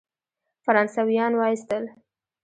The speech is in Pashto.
فرانسویان وایستل.